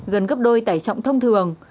gần gấp đôi tải trọng thông thường